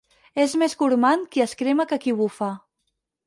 És més gormand qui es crema que qui bufa.